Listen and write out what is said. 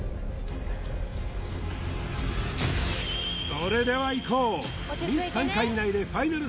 それではいこう進出